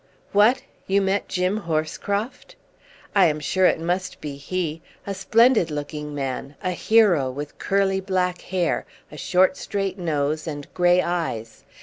"What! you met Jim Horscroft?" "I am sure it must be he. A splendid looking man a hero, with curly black hair, a short, straight nose, and grey eyes.